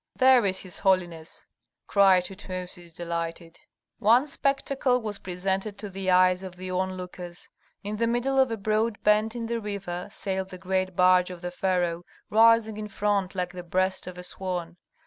"There is his holiness!" cried Tutmosis, delighted. One spectacle was presented to the eyes of the onlookers: in the middle of a broad bend in the river sailed the great barge of the pharaoh, rising in front like the breast of a swan.